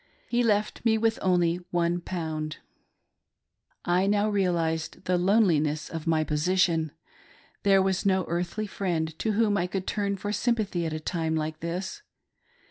He left me with only £i. I now realised the loneliness of my position, — there was no earthly friend to whom I could turn for sympathy at a time like this.